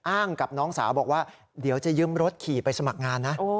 อ้างกับน้องสาวบอกว่าเดี๋ยวจะยืมรถขี่ไปสมัครงานนะ